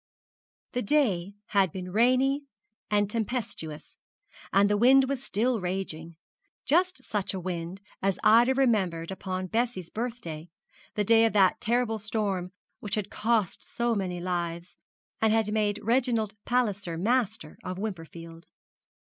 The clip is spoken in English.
The day had been rainy and tempestuous, and the wind was still raging just such a wind as Ida remembered upon Bessie's birthday, the day of that terrible storm which had cost so many lives, and had made Reginald Palliser master of Wimperfield.